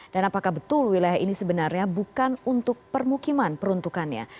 dan apakah betul wilayah ini sebenarnya bukan untuk permukiman peruntukannya